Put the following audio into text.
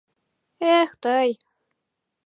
Эх, тый!